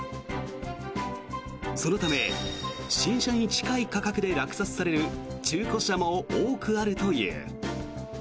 そのため、新車に近い価格で落札される中古車も多くあるという。